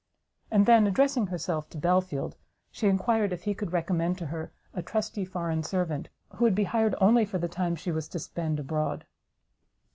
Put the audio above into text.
And then, addressing herself to Belfield, she enquired if he could recommend to her a trusty foreign servant, who would be hired only for the time she was to spend abroad?